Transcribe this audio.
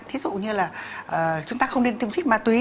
ví dụ như là chúng ta không nên tiêm chích ma túy